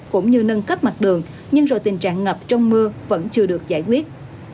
cũng như nâng cấp mặt đường nhưng rồi tình trạng ngập trong mưa vẫn chưa được giải quyết